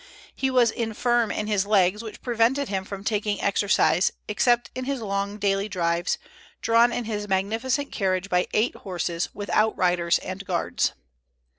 He was infirm in his legs, which prevented him from taking exercise, except in his long daily drives, drawn in his magnificent carriage by eight horses, with outriders and guards.